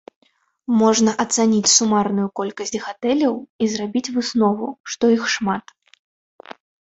Можна ацаніць сумарную колькасць гатэляў і зрабіць выснову, што іх шмат.